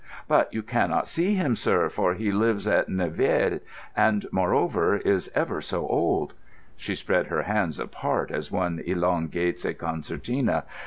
"But you cannot see him, sir, for he lives at Nivelles, and, moreover, is ever so old." She spread her hands apart as one elongates a concertina.